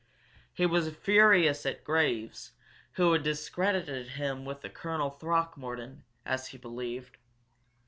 He was furious at Graves, who had discredited him with Colonel Throckmorton, as he believed.